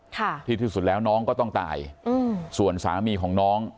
ค่ะที่ที่สุดแล้วน้องก็ต้องตายอืมส่วนสามีของน้อง